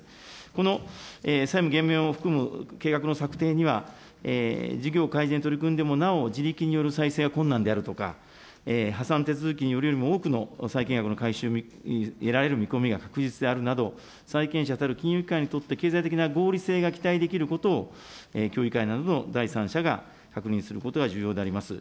この債務減免を含む計画の策定には、事業改善に取り組んでもなお自力による再生が困難であるとか、破産手続きによるよりも多くの債権額の回収を得られる見込みが確実であるなど、債権者たる金融機関にとって経済的な合理性が期待できることを、協議会などの第三者が確認することが重要であります。